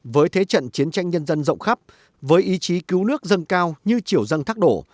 với thế trận chiến tranh nhân dân rộng khắp với ý chí cứu nước dâng cao như chiều dâng thác đổ